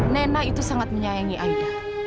nena itu sangat menyayangi aida